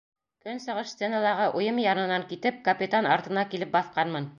Көнсығыш стеналағы уйым янынан китеп, капитан артына килеп баҫҡанмын.